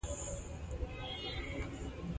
ساپروفایټیزم کې مکروبونه نه مفید او نه مضر واقع کیږي.